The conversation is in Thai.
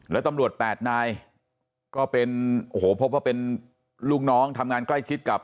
แล้วตำรวจแปดนายก็เป็นโอ้โหพบว่าเป็นลูกน้องทำงานใกล้ชิดกับ